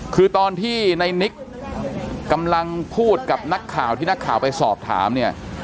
คือตอนที่ในนิกกำลังพูดกับนักข่าวที่นักข่าวไปสอบถามเนี่ย